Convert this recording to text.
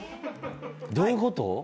どういうこと？